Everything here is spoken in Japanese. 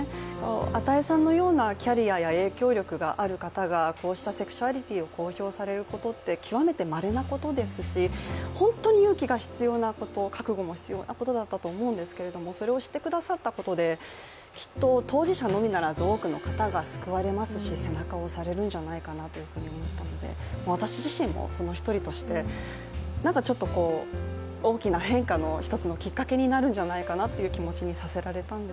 與さんのようなキャリアや影響力がある方がこうしたセクシュアリティーを公表されることって極めてまれなことですし本当に勇気が必要なこと、覚悟も必要なことだったと思うんですけど、それをしてくださったことできっと当事者のみならず、多くの方が救われますし、背中を押されるんじゃないかなと思ったので私自身もその１人として、なんかちょっと大きな変化の１つのきっかけになるんじゃないかなという気持ちになりました。